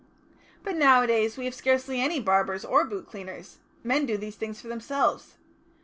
But, nowadays, we have scarcely any barbers or boot cleaners; men do these things for themselves.